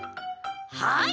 はい！